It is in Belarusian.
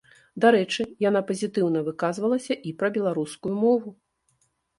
Дарэчы, яна пазітыўна выказвалася і пра беларускую мову.